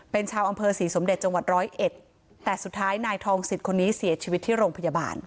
เป็นชาวอำเภอศรีสมเด็จจังหวัดร้อยเอ็ดแต่สุดท้ายนายทองสิทธิ์คนนี้เสียชีวิตที่โรงพยาบาล